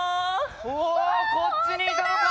おこっちにいたのか！